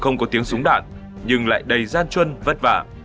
nhưng lại đầy gian chuân vất vả